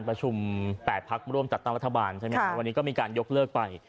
การประชุม๘พักร่วมจัดตั้งรัฐบาลวันนี้ก็มีการยกเลิกไป